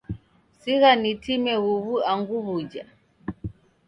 Sigha nitime huw'u angu w'uja.